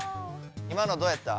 今のどうやった？